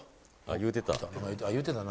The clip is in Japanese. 言うてたな。